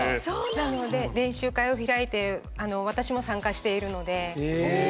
なので練習会を開いてあの私も参加しているので。